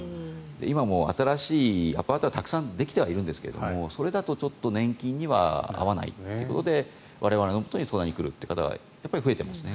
今も新しいアパートはたくさんできてはいるんですがそれだと年金には合わないということで我々のもとに相談に来るという方が増えていますね。